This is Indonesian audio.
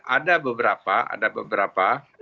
ada beberapa ada beberapa